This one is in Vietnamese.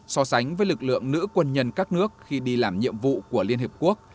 so sánh với lực lượng nữ quân nhân các nước khi đi làm nhiệm vụ của liên hiệp quốc